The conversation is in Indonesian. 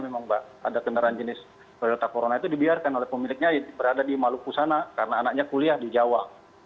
memang mbak ada kendaraan jenis toyota corona itu dibiarkan oleh pemiliknya berada di maluku sana karena anaknya kuliah di jawa